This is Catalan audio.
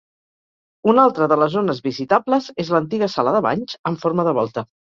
Una altra de les zones visitables és l'antiga sala de banys, amb forma de volta.